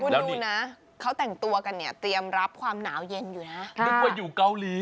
คุณดูนะเขาแต่งตัวกันเนี่ยเตรียมรับความหนาวเย็นอยู่นะนึกว่าอยู่เกาหลี